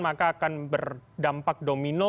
maka akan berdampak domino